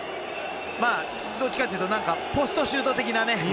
どっちかというとポストシュート的なね。